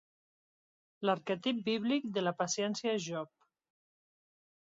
L'arquetip bíblic de la paciència és Job.